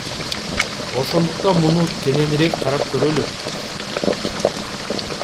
Ошондуктан муну кененирээк карап көрөлү.